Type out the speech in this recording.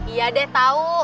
iya deh tau